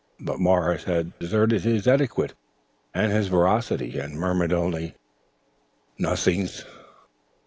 But Morris had deserted his etiquette and his veracity, and murmured only: "Nothings."